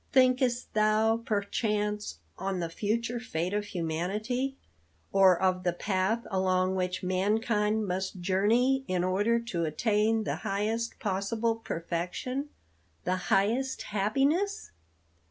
Thinkest thou, perchance, on the future fate of humanity, or of the path along which mankind must journey in order to attain the highest possible perfection the highest happiness?"